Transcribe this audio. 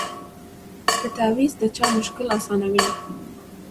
که تعویذ د چا مشکل آسانولای